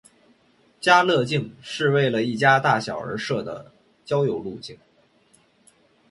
家乐径是为了一家大小而设的郊游路径。